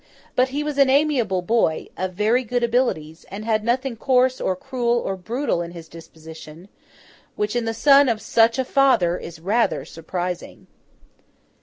But, he was an amiable boy, of very good abilities, and had nothing coarse or cruel or brutal in his disposition—which in the son of such a father is rather surprising.